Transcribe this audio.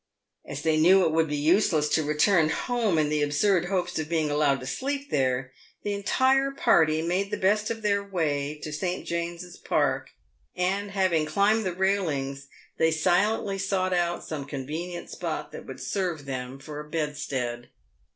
As they knew it would be useless to return home in the absurd hopes of being allowed to sleep there, the entire party made the best of their way to St. James's Park, and, having climbed the railings, they silently sought out some convenient spot that would serve them for a bedstead.